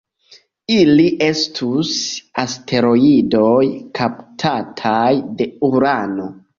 Ili estus asteroidoj kaptataj de Urano.